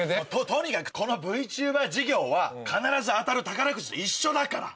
とにかくこのＶＴｕｂｅｒ事業は必ず当たる宝くじと一緒だから。